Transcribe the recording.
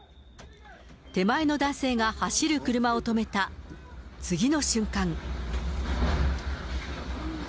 手前の男性が走る車を止めた次の瞬間。